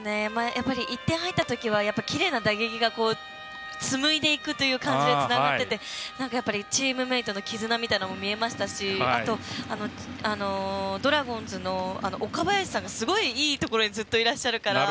１点、入ったときはきれいな打撃がつむいでいくという感じでつながっていてチームメートの絆みたいなものを見えましたしドラゴンズの岡林さんがすごい、いいところにずっといらっしゃるから。